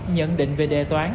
nhận định về đề toán